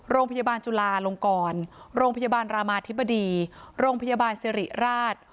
โรงพยาบาลจุลาลงกรโรงพยาบาลรามาธิบดีโรงพยาบาลสิริราช